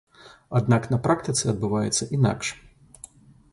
Аднак на практыцы адбываецца інакш.